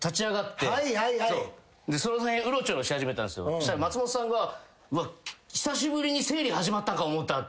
そしたら松本さんが久しぶりに生理始まったんか思うたって。